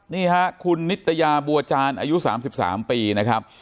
นี่ฮะคุณนิตยาบัวจานอายุ๓๓ปีนะครับ